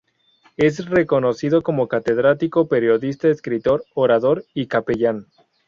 Es reconocido como catedrático, periodista, escritor, orador y capellán.